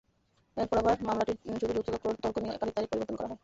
এরপর আবার মামলাটির শুধু যুক্তিতর্ক নিয়ে একাধিক তারিখ পরিবর্তন করা হয়।